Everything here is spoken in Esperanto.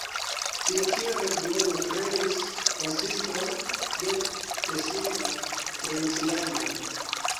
Tiu ĉi regiono kreis konsiston de teŝina princlando.